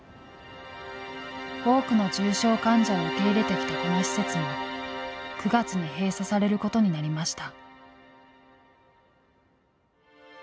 多くの重症患者を受け入れてきたこの施設も９月に閉鎖されることになりました。